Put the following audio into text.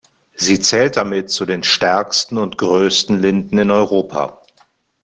Sie zählt damit zu den stärksten und größten Linden in Europa.